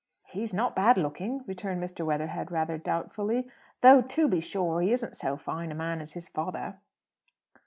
"He's not bad looking," returned Mr. Weatherhead, rather doubtfully. "Though, to be sure, he isn't so fine a man as his father."